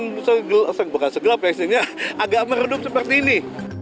bukan segelap ya agak meredup seperti ini